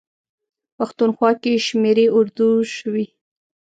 پښتونخوا کې شمېرې اردو شوي.